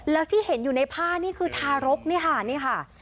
แล้วที่เห็นอยู่ในผ้านี่คือทารกนี่ค่ะนี่ค่ะ